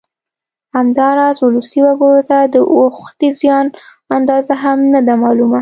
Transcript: همداراز ولسي وګړو ته د اوښتې زیان اندازه هم نه ده معلومه